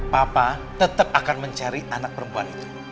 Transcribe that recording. papa tetap akan mencari anak perempuan itu